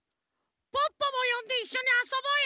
ポッポもよんでいっしょにあそぼうよ。